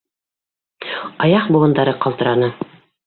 Аяҡ быуындары ҡалтыраны.